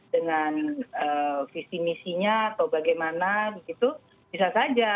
dengan visi misinya atau bagaimana begitu bisa saja